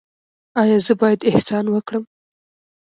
ایا زه باید احسان وکړم؟